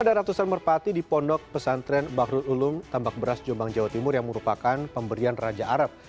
ada ratusan merpati di pondok pesantren bahrul ulum tambak beras jombang jawa timur yang merupakan pemberian raja arab